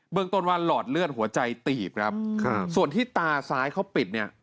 ต้นว่าหลอดเลือดหัวใจตีบครับส่วนที่ตาซ้ายเขาปิดเนี่ย